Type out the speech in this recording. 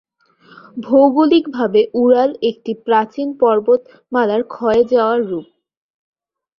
ভৌগোলিকভাবে উরাল একটি প্রাচীন পর্বতমালার ক্ষয়ে যাওয়া রূপ।